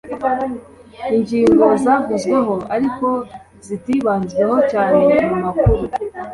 Ingingo zavuzweho ariko zitibanzweho cyane mu makuru